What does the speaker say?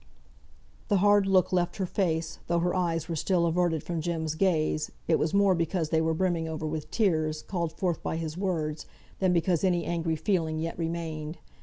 The hard look left her face; though her eyes were still averted from Jem's gaze, it was more because they were brimming over with tears, called forth by his words, than because any angry feeling yet remained.